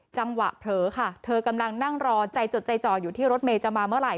จังหวะเผลอค่ะเธอกำลังนั่งรอใจจดใจจ่ออยู่ที่รถเมย์จะมาเมื่อไห